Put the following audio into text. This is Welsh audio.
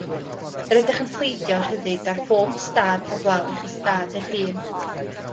Yr ydych yn pleidio rhyddid ar bob ystâd heblaw eich ystâd eich hun.